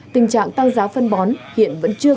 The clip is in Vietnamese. tình trạng tăng giá phân bón hiện vẫn chưa